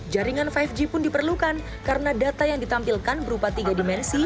jaringan lima g pun diperlukan karena data yang ditampilkan berupa tiga dimensi